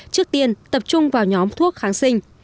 trước tiên tập trung vào nhóm thuốc kháng sinh